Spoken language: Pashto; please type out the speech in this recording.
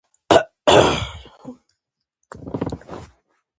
نور دا زخمې زخمي سوځلې خاوره